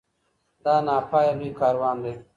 دا نا پایه لوی کاروان دی